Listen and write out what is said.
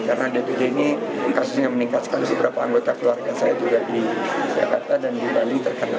karena dbd ini kasusnya meningkat sekali seberapa anggota keluarga saya juga di jakarta dan di bali terkena